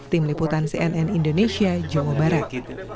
tim liputan cnn indonesia jawa barat